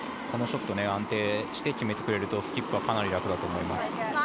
このショットを安定して決めてくれるとスキップはかなり楽だと思います。